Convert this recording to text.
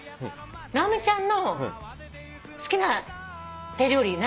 直美ちゃんの好きな手料理何？